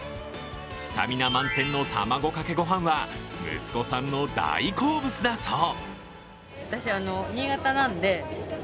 スタミナ満点の卵かけご飯は、息子さんの大好物だそう。